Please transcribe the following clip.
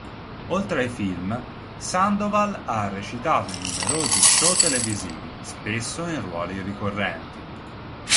Oltre ai film, Sandoval ha recitato in numerosi show televisivi, spesso in ruoli ricorrenti.